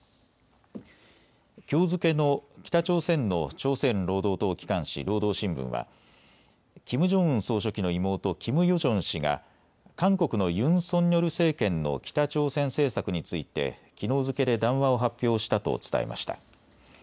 きょう付けの北朝鮮の朝鮮労働党機関紙、労働新聞はキム・ジョンウン総書記の妹、キム・ヨジョン氏が韓国のユン・ソンニョル政権の北朝鮮政策についてきのう付けで談話を発表したと伝えました。